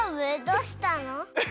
どうしたの？